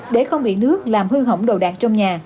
để không bị nước làm hư hỏng đồ đạc trong nhà